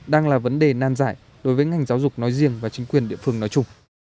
đang là vấn đề nan giải đối với ngành giáo dục nói riêng và chính quyền địa phương nói chung